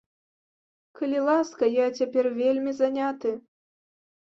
Калі ласка, я цяпер вельмі заняты.